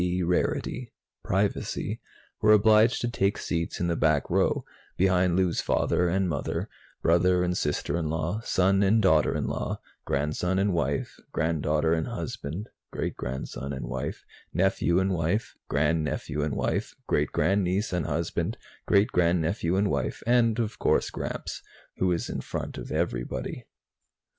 D. rarity privacy were obliged to take seats in the back row, behind Lou's father and mother, brother and sister in law, son and daughter in law, grandson and wife, granddaughter and husband, great grandson and wife, nephew and wife, grandnephew and wife, great grandniece and husband, great grandnephew and wife and, of course, Gramps, who was in front of everybody.